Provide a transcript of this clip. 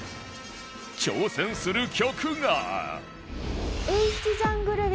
挑戦する曲が